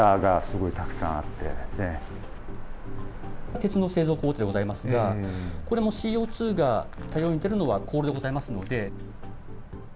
鉄の製造工程でございますが、これもＣＯ２が大量に出るのは高炉でございますので。